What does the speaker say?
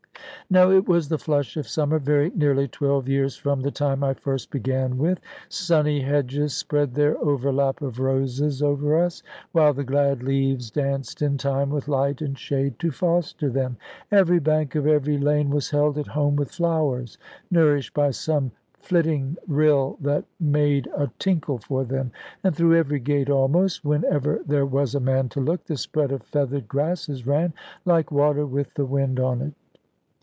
Now it was the flush of summer, very nearly twelve years from the time I first began with. Sunny hedges spread their overlap of roses over us, while the glad leaves danced in time with light and shade to foster them. Every bank of every lane was held at home with flowers, nourished by some flitting rill that made a tinkle for them. And through every gate almost, whenever there was a man to look, the spread of feathered grasses ran, like water with the wind on it.